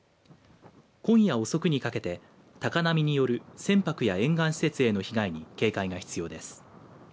今夜遅くにかけて、高波による船舶や沿岸施設への被害に警戒が必要です。